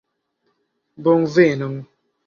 bonvenon